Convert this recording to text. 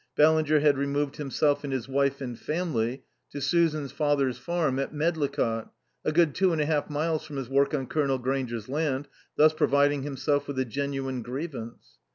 Ballinger had removed himself and his wife and family to Susan's father's farm at Medlicott, a good two and a half miles from his work on Colonel Grainger's land, thus providing himself with a genuine grievance.